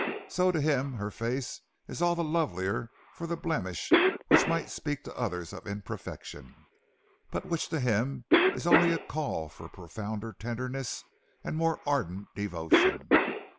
So to him her face is all the lovelier for the blemish which might speak to others of imperfection, but which to him is only a call for profounder tenderness and more ardent devotion.